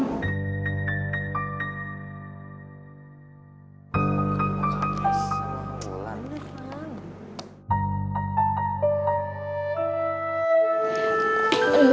uks sama wulan deh